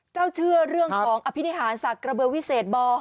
เจ้าเชื่อเรื่องของอภินิฮารสากระเบิร์นวิเศษบ้อ